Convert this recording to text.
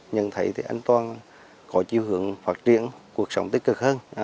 nhận thấy anh toàn có chiêu hưởng phát triển cuộc sống tích cực hơn